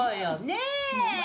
ねえ。